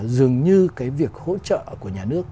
dường như cái việc hỗ trợ của nhà nước